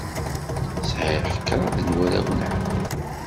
Sɛiɣ kraḍ n warraw n ɛemmi.